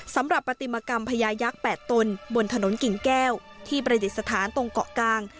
สำหรับปฏิมกรรมพญายักษ์๘ตนบนถนนกิ่งแก้วที่ประดิษฐานตรงเกาะกลาง